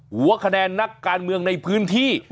หัวคะแนนนักการเมืองในพื้นที่